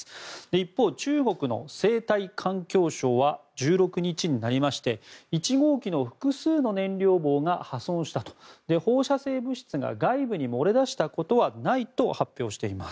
一方、中国の生態環境省は１６日になりまして１号機の複数の燃料棒が破損したと放射性物質が外部に漏れ出したことはないと発表しています。